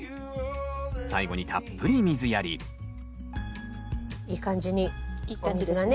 最後にたっぷり水やりいい感じにお水がね